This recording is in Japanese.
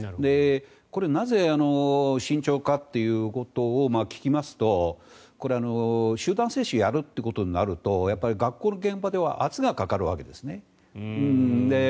これなぜ、慎重かということを聞きますとこれ、集団接種をやるということになると学校の現場では圧がかかるわけですね。